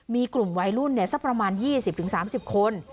มีกลุ่มวัยรุ่นสักประมาณ๒๐๓๐คน